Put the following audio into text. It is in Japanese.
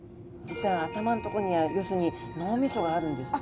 実は頭のとこにある要するに脳みそがあるんです。